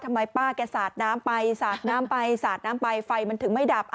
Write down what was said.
ทำไมป้าแกสาดน้ำไปสาดน้ำไปสาดน้ำไปไฟมันถึงไม่ดับ